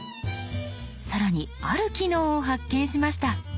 更にある機能を発見しました。